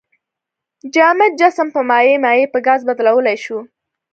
جامد جسم په مایع، مایع په ګاز بدلولی شو.